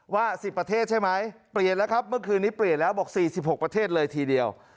ว่า๑๐ประเทศใช่ไหมเปลี่ยนแล้วครับเมื่อคืนนี้เปลี่ยนแล้วบอก๔๖ประเทศเลยทีเดียว